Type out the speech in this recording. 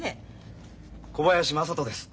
小林雅人です。